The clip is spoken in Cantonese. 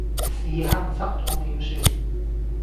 屎坑塞左點算？